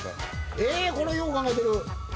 これよう考えてる。